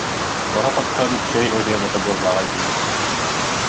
Оһох оттон чэй өрүөм этэ буоллаҕа дии